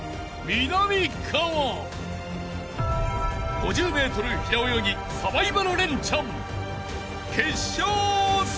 ［５０ｍ平泳ぎサバイバルレンチャン］